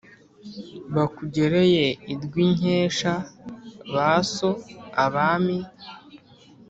bakugereye i rwinkesha ba so abami